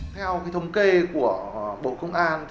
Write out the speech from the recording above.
theo thống kê của bộ công an